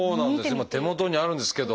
今手元にあるんですけど。